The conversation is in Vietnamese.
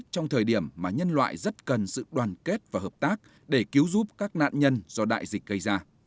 trong thời điểm mà nhân loại rất cần sự đoàn kết và hợp tác để cứu giúp các nạn nhân do đại dịch gây ra